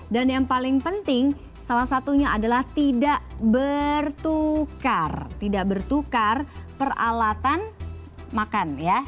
dan yang paling penting salah satunya adalah tidak bertukar peralatan makan ya